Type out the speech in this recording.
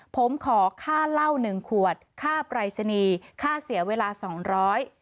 ผมขอค่าเหล้าหนึ่งขวดค่าปรายศนีย์ค่าเสียเวลาสองร้อย